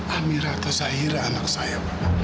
amir atau zahira anak saya